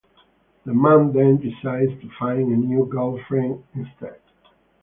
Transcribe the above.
The man then decides to find a new girlfriend, instead.